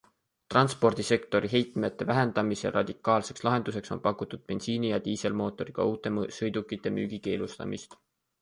Transpordisektori heitmete vähendamise radikaalseks lahenduseks on pakutud bensiini- ja diiselmootoriga uute sõidukite müügi keelustamist.